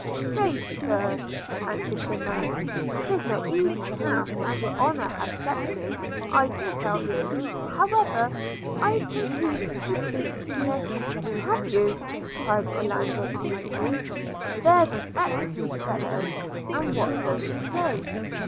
'Faith, Sir,' answered the man, ''tis no easy task as your honour have set me, I can tell you – However, I've contrived to speak to Miss –' 'Have you?' cried Orlando eagerly: 'there's an excellent fellow. And what does she say?'